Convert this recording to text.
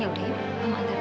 ya ya ya mama antar